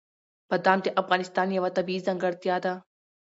بادام د افغانستان یوه طبیعي ځانګړتیا ده.